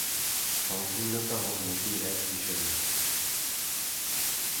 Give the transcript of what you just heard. সংকীর্ণতাও মতির এক বিষয়ে নয়।